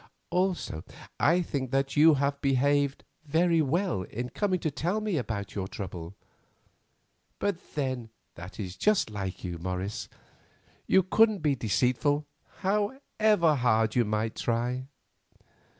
Also I think that you have behaved very well in coming to tell me about your trouble; but then that is like you, Morris, for you couldn't be deceitful, however hard you might try.